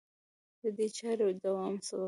د دې چارې دوام سبب شو